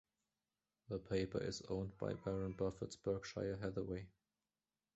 The paper is owned by Warren Buffett's Berkshire Hathaway.